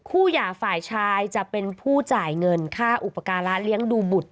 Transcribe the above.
หย่าฝ่ายชายจะเป็นผู้จ่ายเงินค่าอุปการะเลี้ยงดูบุตร